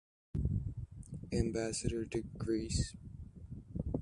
Ambassador to Greece.